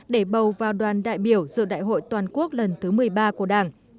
để bầu vào đoàn đại biểu dự đại hội toàn quốc lần thứ một mươi ba của đảng